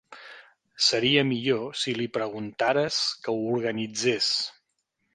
Seria millor si li preguntares que ho organitzés.